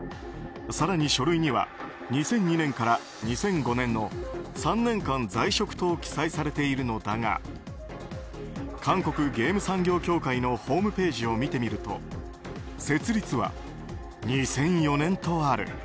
更に書類には２００２年から２００５年の３年間在職と記載されているのだが韓国ゲーム産業協会のホームページを見てみると設立は２００４年とある。